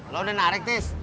lo udah narik tis